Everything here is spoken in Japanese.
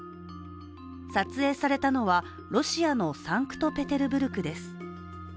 撮影されたのは、ロシアのサンクトペテルブルクです。